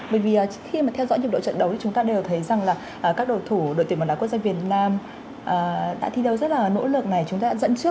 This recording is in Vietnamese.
bởi vì khi mà theo dõi nhiệm đội trận đấu thì chúng ta đều thấy rằng là các đội thủ đội tuyển bóng đá quốc gia việt nam đã thi đấu rất là nỗ lực này chúng ta đã dẫn trước